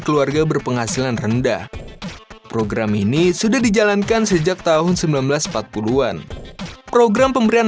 keluarga berpenghasilan rendah program ini sudah dijalankan sejak tahun seribu sembilan ratus empat puluh an program pemberian